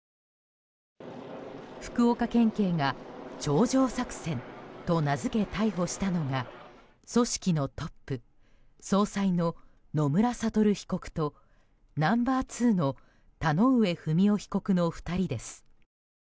福岡県警が頂上作戦と名付け逮捕したのが組織のトップ総裁の野村悟被告とナンバー２の田上不美夫被告の２人です。